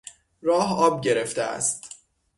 راه آب گرفته است.